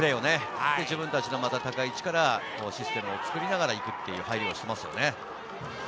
自分たちの高い位置からシステムを作りながら行くっていう、対応をしてますね。